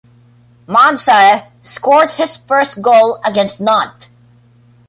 Mansare scored his first goal against Nantes.